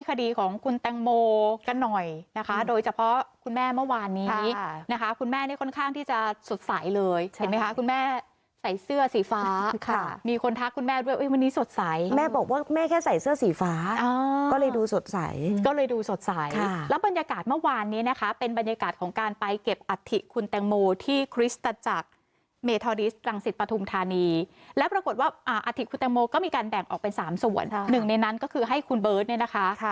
คดีของคุณแตงโมกันหน่อยนะคะโดยเฉพาะคุณแม่เมื่อวานนี้นะคะคุณแม่นี่ค่อนข้างที่จะสดใสเลยเห็นไหมคะคุณแม่ใส่เสื้อสีฟ้าค่ะมีคนทักคุณแม่ด้วยว่าวันนี้สดใสแม่บอกว่าแม่แค่ใส่เสื้อสีฟ้าก็เลยดูสดใสก็เลยดูสดใสค่ะแล้วบรรยากาศเมื่อวานนี้นะคะเป็นบรรยากาศของการไปเก็บอาธิคุณแตงโมที่คริสต